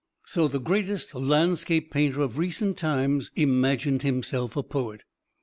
So the greatest landscape painter of recent times imagined himself a poet.